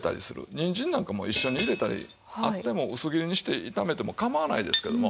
にんじんなんかも一緒に入れたりあっても薄切りにして炒めても構わないですけれども。